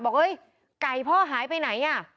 บอกเฮ้ยไก่พ่อหายไปไหน